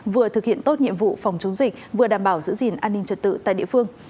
vừa thực hiện tốt nhiệm vụ phòng chống dịch vừa đảm bảo giữ gìn an ninh trật tự tại địa phương